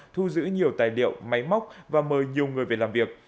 thu giữ nhiều tài liệu máy móc và mời nhiều người về làm việc